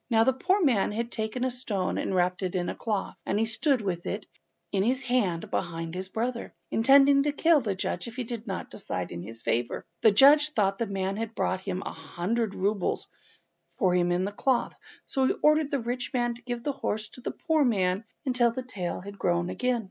Now the poor man had taken a stone and wrapped it in a cloth, and he stood with it in his hand, behind his brother, intending to kill the judge if he did not decide in his favour. The judge thought the man had brought a hundred roubles for him in the cloth, so he ordered the rich man to give his horse to the poor man until the tail was grown again.